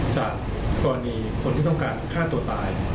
จากกรณีคนที่ต้องการฆ่าตัวตาย